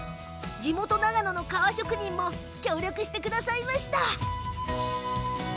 地元、長野の革職人も協力してくださいました。